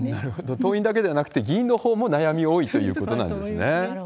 党員だけではなくて、議員のほうも悩みが多いということなんですね。